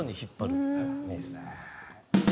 いいですね。